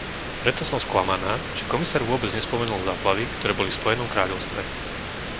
Preto som sklamaná, že komisár vôbec nespomenul záplavy, ktoré boli v Spojenom kráľovstve.